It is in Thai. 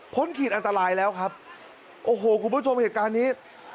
ขีดอันตรายแล้วครับโอ้โหคุณผู้ชมเหตุการณ์นี้